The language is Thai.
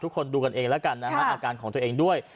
ทุกคนดูกันเองแล้วกันนะฮะอาการของตัวเองด้วย